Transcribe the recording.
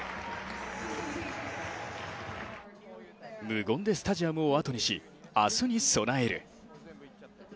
無言でスタジアムを後にし明日に備える。